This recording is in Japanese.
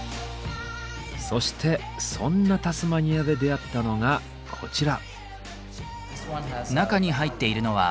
そしてそんなタスマニアで出会ったのがこちら。